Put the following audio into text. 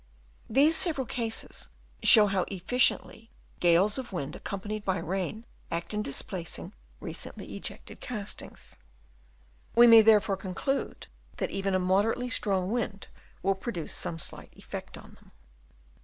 These several cases show how efficiently gales of wind accompanied by rain act in displacing recently ejected castings. We may therefore conclude that even a moderately strong wind will produce some slight effect on them.